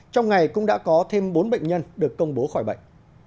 trong ngày cũng đã có thêm bốn bệnh nhân được công bố khỏi bệnh